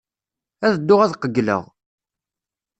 Ad dduɣ ad qeyyleɣ.